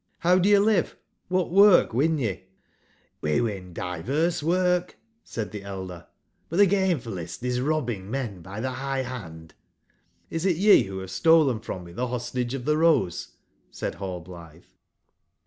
'*T)ow do ye live, wbat work win ye ?"j^'' CKc win diverse work," said tbc elder, ''but tbe gainfuUest is robbing men by tbe bigb band "j^" Is it ye wbo bave stolen from me tbe Rostagc of tbe Rose?" said Nallblitbe.